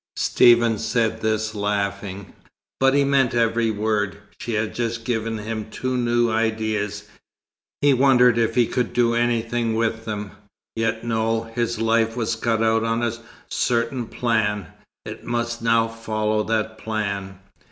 Stephen said this laughing; but he meant every word. She had just given him two new ideas. He wondered if he could do anything with them. Yet no; his life was cut out on a certain plan. It must now follow that plan.